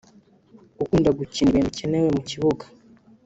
ukunda gukina ibintu bikenewe mu kibuga